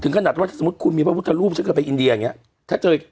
ขนาดว่าถ้าสมมุติคุณมีพระพุทธรูปฉันเคยไปอินเดียอย่างเงี้ยถ้าเจอ